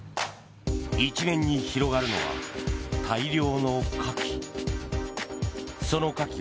一面に広がるのは大量のカキ。